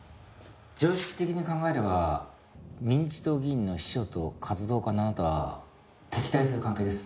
「常識的に考えれば民自党議員の秘書と活動家のあなたは敵対する関係です」